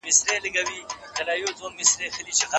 سل په سلو راځم